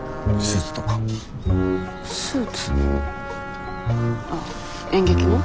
スーツあっ演劇の？